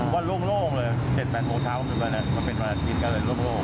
ว่าโล่งเลย๗๘โหลดเช้ามันเป็นวันอาทิตย์ก็เลยร่วมโล่ง